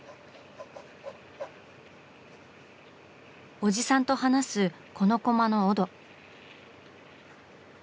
おじさんと話すこのコマのオド。